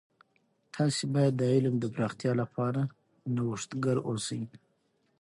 تاسې باید د علم د پراختیا لپاره نوښتګر اوسئ.